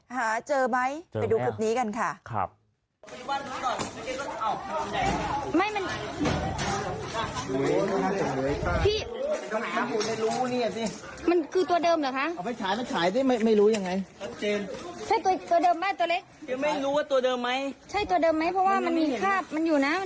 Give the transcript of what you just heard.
หาเจอไหมไปดูคลิปนี้กันค่ะ